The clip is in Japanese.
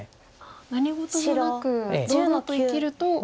何事もなく堂々と生きると。